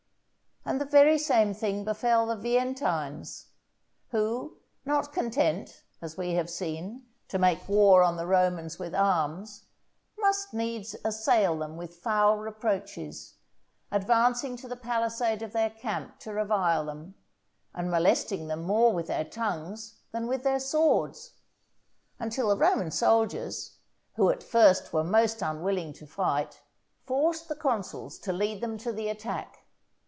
And the very same thing befell the Veientines, who, not content, as we have seen, to make war on the Romans with arms, must needs assail them with foul reproaches, advancing to the palisade of their camp to revile them, and molesting them more with their tongues than with their swords, until the Roman soldiers, who at first were most unwilling to fight, forced the consuls to lead them to the attack.